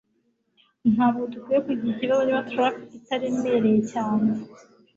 ntabwo dukwiye kugira ikibazo niba traffic itaremereye cyane